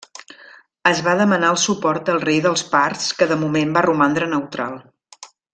Es va demanar el suport del rei dels parts que de moment va romandre neutral.